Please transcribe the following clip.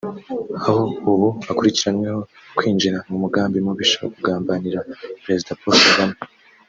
aho ubu akurikiranweho kwinjira mu mugambi mubisha wo kugambanira Perezida Paul kagame